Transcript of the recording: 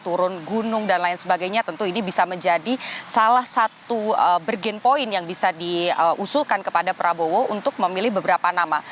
turun gunung dan lain sebagainya tentu ini bisa menjadi salah satu bergen point yang bisa diusulkan kepada prabowo untuk memilih beberapa nama